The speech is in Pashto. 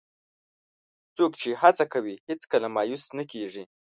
څوک چې هڅه کوي، هیڅکله مایوس نه کېږي.